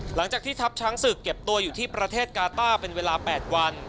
หลังจากที่ทัพช้างศึกเก็บตัวอยู่ที่ประเทศกาต้าเป็นเวลา๘วัน